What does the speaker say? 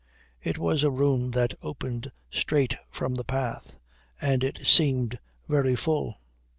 It was a room that opened straight from the path, and it seemed very full.